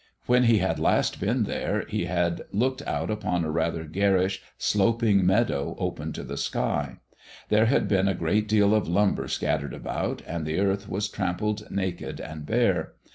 When he had last been there he had looked out upon a rather garish, sloping meadow open to the sky. There had been a great deal of lumber scattered about, and the earth was trampled naked and bare.